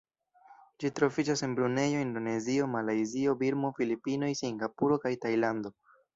Ĝi troviĝas en Brunejo, Indonezio, Malajzio, Birmo, Filipinoj, Singapuro kaj Tajlando.